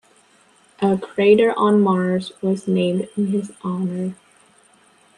A crater on Mars was named in his honor.